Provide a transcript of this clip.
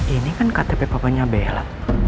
ini kan ktp pokoknya bella